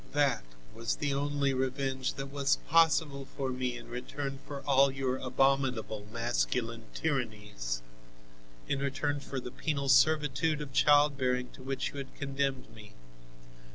That was the only revenge that was possible for me in return for all your abominable masculine tyrannies, in return for the penal servitude of childbearing to which you have condemned me.